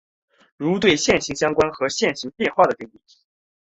如对线性相关和线性变换的定义。